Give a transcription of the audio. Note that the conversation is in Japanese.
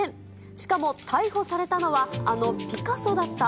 しかも、逮捕されたのは、あのピカソだった？